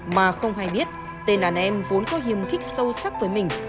mà không hay biết tên đàn em vốn có hiềm khích sâu sắc với mình